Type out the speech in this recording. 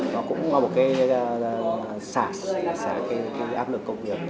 nó cũng là một cái sả sả cái áp lực công việc